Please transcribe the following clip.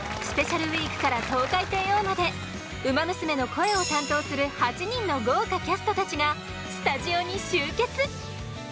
スペシャルウィークからトウカイテイオーまでウマ娘の声を担当する８人の豪華キャストたちがスタジオに集結！